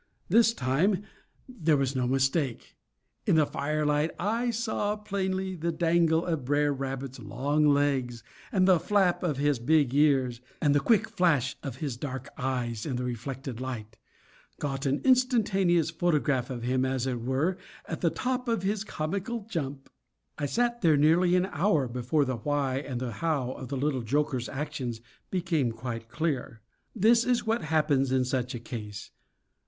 This time there was no mistake. In the firelight I saw plainly the dangle of Br'er Rabbit's long legs, and the flap of his big ears, and the quick flash of his dark eyes in the reflected light, got an instantaneous photograph of him, as it were, at the top of his comical jump. I sat there nearly an hour before the why and the how of the little joker's actions became quite clear. This is what happens in such a case.